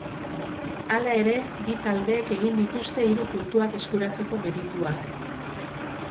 Hala ere, bi taldeek egin dituzte hiru puntuak eskuratzeko merituak.